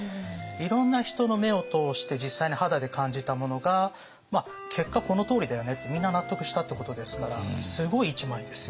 いろんな人の目を通して実際に肌で感じたものが結果このとおりだよねってみんな納得したってことですからすごい１枚ですよね。